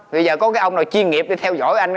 bây giờ có cái ông nào chuyên nghiệp đi theo dõi anh